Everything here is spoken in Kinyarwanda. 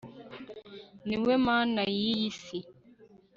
ni we mana y'iyi si